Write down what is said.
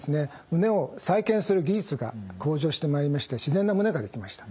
胸を再建する技術が向上してまいりまして自然な胸ができました。